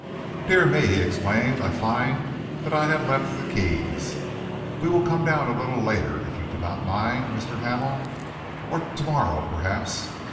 "Dear me," he exclaimed, "I find that I have left the keys! We will come down a little later, if you do not mind, Mr. Hamel. Or to morrow, perhaps.